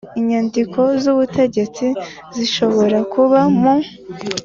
Inyandiko z’ubutegetsi zishobora kuba mu